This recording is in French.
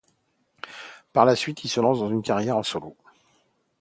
Par la suite, il se lance dans une carrière en solo.